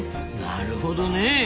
なるほどねえ。